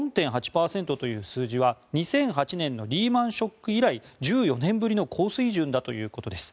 ４．８％という数字は２００８年のリーマン・ショック以来１４年ぶりの高水準だということです。